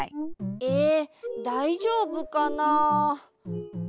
えだいじょうぶかな？